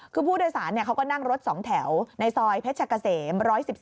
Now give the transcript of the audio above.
คือผู้โดยสารเขาก็นั่งรถ๒แถวในซอยเพชรกะเสม๑๑๒